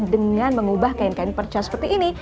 dengan mengubah kain kain perca seperti ini